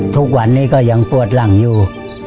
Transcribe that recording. ทุกวันนี้ก็ยังปวดหลังอยู่